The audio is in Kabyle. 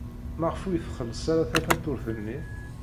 Maɣef ur txelleṣ ara tafatuṛt-nni?